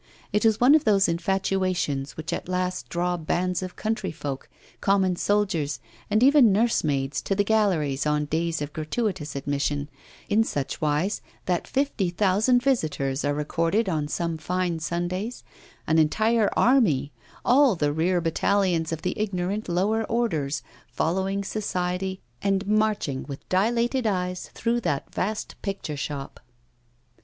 It was one of those infatuations which at last draw bands of country folk, common soldiers, and even nursemaids to the galleries on days of gratuitous admission, in such wise that fifty thousand visitors are recorded on some fine Sundays, an entire army, all the rear battalions of the ignorant lower orders, following society, and marching, with dilated eyes, through that vast picture shop.